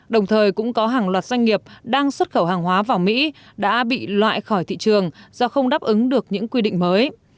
đồng thời cũng có hàng loạt doanh nghiệp đang xuất khẩu hàng hóa vào mỹ đã bị loại khỏi thị trường do không đáp ứng được những quy định mới